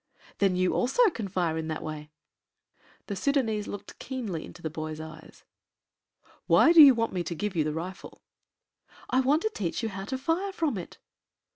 "Then you also can fire in that way." The Sudânese looked keenly into the boy's eyes. "Why do you want me to give you the rifle?" "I want to teach you how to fire from it."